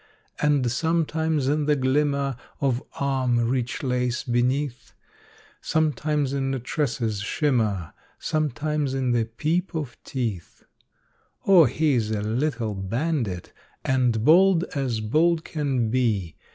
And sometimes in the glimmer Of arm, rich lace beneath; Sometimes in the tresses' shimmer, Sometimes in the peep of teeth. Oh, he's a little bandit, And bold as bold can be.